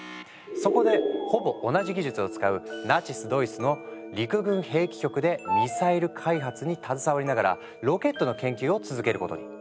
そこでほぼ同じ技術を使うナチスドイツの陸軍兵器局でミサイル開発に携わりながらロケットの研究を続けることに。